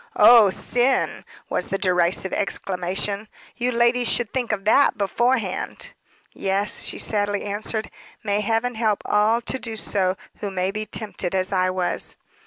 "Oh sin!" was the derisive exclamation. "You ladies should think of that beforehand." "Yes," she sadly answered. "May heaven help all to do so who may be tempted as I was."